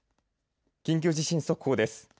緊急地震速報です。